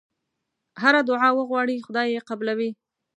هره دعا وغواړې خدای یې قبلوي.